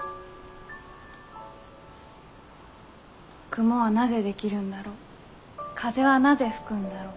雲はなぜ出来るんだろう風はなぜ吹くんだろう。